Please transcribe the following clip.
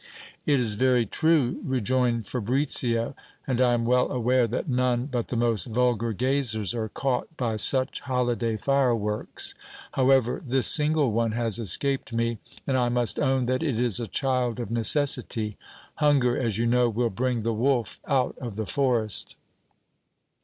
It is very true, rejoined Fabricio : and I am well aware that none but the most vulgar gazers are caught by such holiday fire works : however, this single one has escaped me, and I must own that it is a child of necessity. Hunger, as you know, will bring the wolf out of the forest.